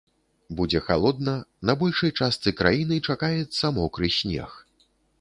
Будзе халодна, на большай частцы краіны чакаецца мокры снег.